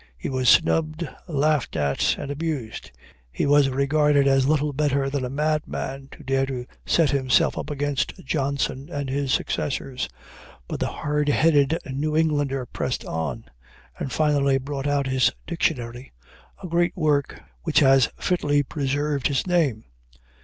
He was snubbed, laughed at, and abused. He was regarded as little better than a madman to dare to set himself up against Johnson and his successors. But the hard headed New Englander pressed on, and finally brought out his dictionary, a great work, which has fitly preserved his name.